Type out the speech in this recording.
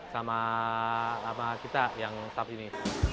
sama kita yang staff ini